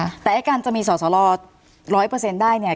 แต่ไอ้การจะมีสอสรร้อยเปอร์เซ็นต์ได้เนี่ย